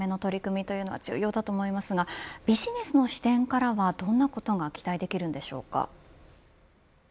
そうした課題解決のための取り組みというのは重要だと思いますがビジネスの視点からはどんなことが期待できるんでしょうか。